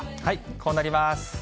こうなります。